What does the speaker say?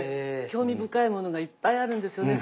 興味深いものがいっぱいあるんですよね。